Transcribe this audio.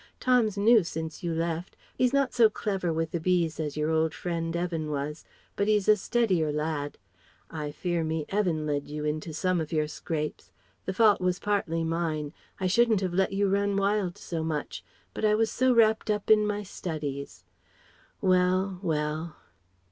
Tom's new, since you left. He's not so clever with the bees as your old friend Evan was, but he's a steadier lad. I fear me Evan led you into some of your scrapes. The fault was partly mine. I shouldn't have let you run wild so much, but I was so wrapped up in my studies Well, well!"